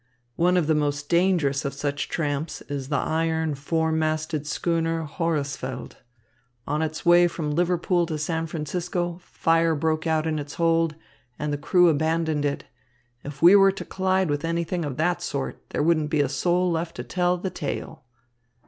One of the most dangerous of such tramps is the iron four masted schooner, Houresfeld. On its way from Liverpool to San Francisco, fire broke out in its hold, and the crew abandoned it. If we were to collide with anything of that sort, there wouldn't be a soul left to tell the tale."